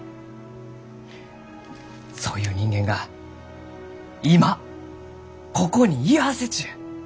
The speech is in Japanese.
そういう人間が今ここに居合わせちゅう！